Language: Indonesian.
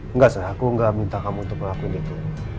enggak saya enggak minta kamu untuk mengakuin itu